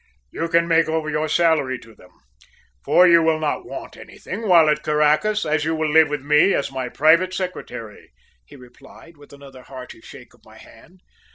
"You can make over your salary to them, for you will not want anything while at Caracas, as you will live with me as my private secretary," he replied, with another hearty shake of my hand.